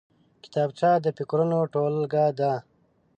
کتابچه د فکرونو ټولګه ده